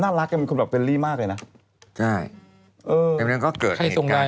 ถ้้าไม่พอแบบนี้ออกอากาศเบ่อยนะ